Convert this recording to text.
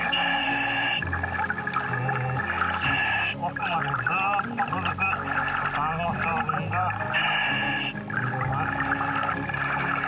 奥までずーっと続くサンゴ礁群が見えます。